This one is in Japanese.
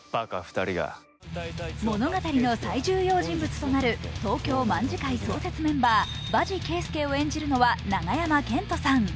物語の最重要人物となる東京卍會創設メンバー場地圭介を演じるのは永山絢斗さん。